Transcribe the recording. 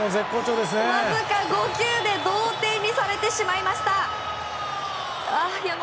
わずか５球で同点にされてしまいました。